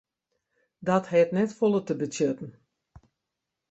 Dat hat net folle te betsjutten.